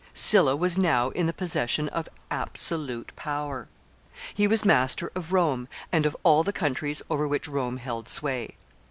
] Sylla was now in the possession of absolute power. He was master of Rome, and of all the countries over which Rome held sway.